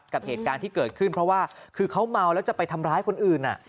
กับเหตุการณ์ที่เกิดขึ้นเพราะว่าคือเขาเมาแล้วจะไปทำร้ายคนอื่น